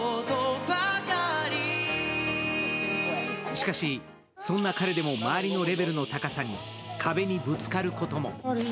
しかし、そんな彼でも周りのレベルの高さに壁にぶつかることも。